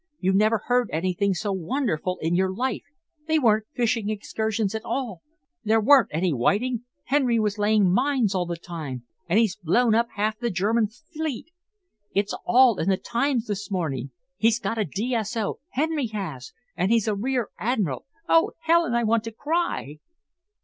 You never heard anything so wonderful in your life! They weren't fishing excursions at all. There weren't any whiting. Henry was laying mines all the time, and he's blown up half the German fleet! It's all in the Times this morning. He's got a D.S.O. Henry has and he's a Rear Admiral! Oh, Helen, I want to cry!"